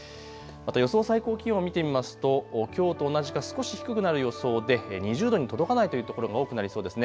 予想最高気温、見てみますときょうと同じか少し低くなる予想で２０度に届かないところも多くなりそうです。